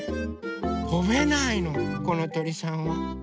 とべないのこのとりさんは。